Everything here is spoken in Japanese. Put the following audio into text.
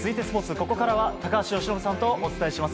ここからは高橋由伸さんとお伝えします。